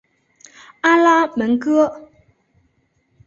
阿拉门戈。